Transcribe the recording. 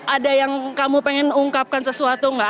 ada yang kamu ingin ungkapkan sesuatu enggak